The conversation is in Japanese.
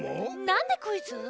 なんでクイズ？